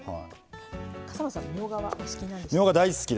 笠松さんみょうがはお好きなんでしたっけ。